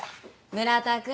村田君。